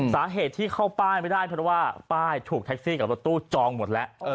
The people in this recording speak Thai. สาเหตุที่เข้าป้ายไม่ได้เพราะว่าป้ายถูกแท็กซี่กับรถตู้จองหมดแล้ว